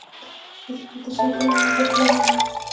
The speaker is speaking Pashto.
وسله وال د شېرګل عمل بد وباله.